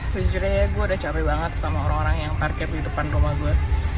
sejujurnya gue udah capek banget sama orang orang yang parkir di depan rumah gue